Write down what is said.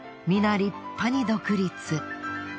立派に独立。